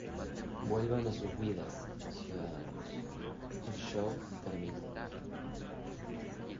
Vuelvan a sus vidas, ciudadanos. El show terminó .